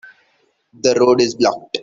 The road is blocked.